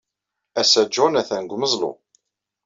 Ass-a, John atan deg umeẓlu.